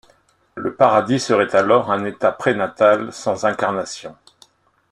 Le paradis serait alors un état prénatal sans incarnation.